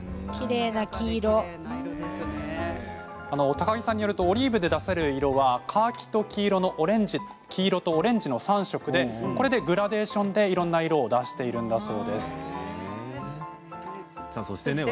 高木さんによるとオリーブで出せる色はカーキ、黄色、オレンジの３色でこれでグラデーションでいろいろな色を出しているんだそうです。